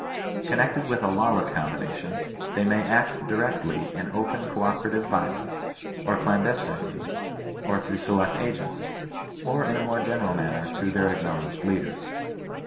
Connected with a lawless combination, they may act directly in open co operative violence, or clandestinely, or through select agents, or in a more ge neral manner through their acknowledged leaders.